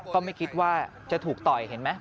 ก็ไม่คิดว่าจะถูกต่อยเห็นไหม